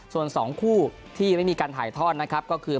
ส่วน๒คู่ที่ไม่มีการถ่ายทอดนะครับก็คือ